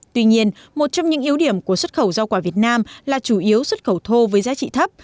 tuy nhiên một trong những yếu điểm của xuất khẩu rau quả việt nam là chủ yếu xuất khẩu thô với giá trị thấp